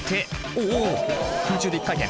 おおっ空中で１回転。